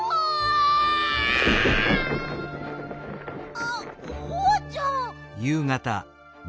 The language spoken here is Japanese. あっホワちゃん！